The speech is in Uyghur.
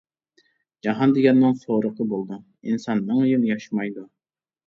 جاھان دېگەننىڭ سورىقى بولىدۇ، ئىنسان مىڭ يىل ياشىمايدۇ.